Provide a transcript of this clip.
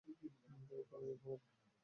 কোনো ডিল হবে না।